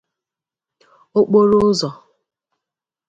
okporoụzọ